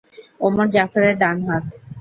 ওমর জাফরের ডান হাত!